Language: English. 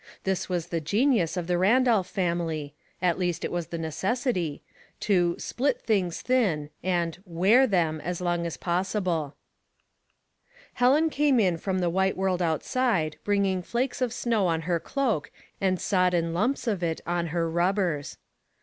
This was the genius of the Randolph family — at least it was the necessity — to " split things thin," and " wear " them as long as pos sible. 6 Household Puzzles, Helen came in from the white world outside, bringing flakes of snow on her cloak and sodden lumps of it on her rubbers.